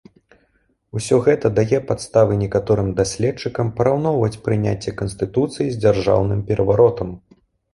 Усё гэта дае падставы некаторым даследчыкам параўноўваць прыняцце канстытуцыі з дзяржаўным пераваротам.